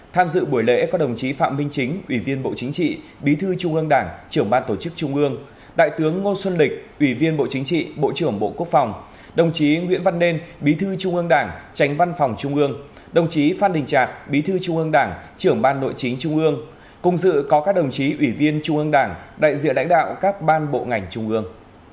tham dự buổi lễ có đồng chí phạm minh chính ủy viên bộ chính trị bí thư trung ương đảng trưởng ban tổ chức trung ương đại tướng ngô xuân lịch ủy viên bộ chính trị bộ trưởng bộ quốc phòng đồng chí nguyễn văn nên bí thư trung ương đảng tránh văn phòng trung ương đồng chí phan đình trạc bí thư trung ương đảng trưởng ban nội chính trung ương cùng dự có các đồng chí ủy viên trung ương đảng đại diện đánh đạo các ban bộ ngành trung ương